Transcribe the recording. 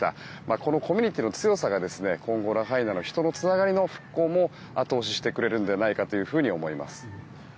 このコミュニティーの強さが今後、ラハイナの人のつながりの復興も後押ししてくれるのではないかと思います。